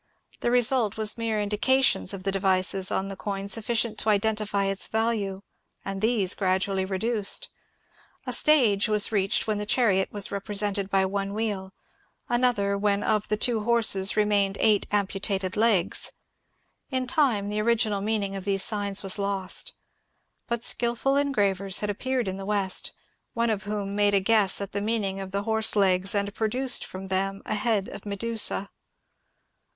The result was mere indications of the devices on the coin sufficient to identify its value, and these gradually reduced. A stage was reached when the chariot was represented by one wheel ; another when of the two horses remained eight amputated legs. In time the original meaning of these signs was lost. But skilful en gravers had appeared in the West, one of whom made a guess at the meaning of the horse legs and produced from them a head of Medusa.